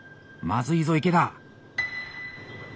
まずいぞ池田。